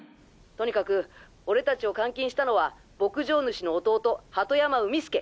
とにかく俺達を監禁したのは牧場主の弟鳩山海輔！